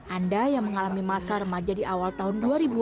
anda yang mengalami masa remaja di awal tahun dua ribu dua puluh